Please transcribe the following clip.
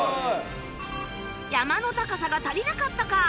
山の高さが足りなかったか？